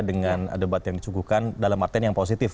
dengan debat yang dicuguhkan dalam artian yang positif